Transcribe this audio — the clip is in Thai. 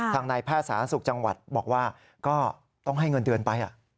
ทางนายแพทย์สาธารณสุขจังหวัดบอกว่าก็ต้องให้เงินเดือนไป